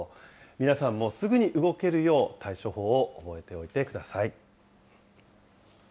皆さんもすぐに動けるよう、対処法を覚えておいてください。